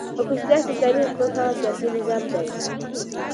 او په اصطلاح كې اسلامي حكومت هغه سياسي نظام دى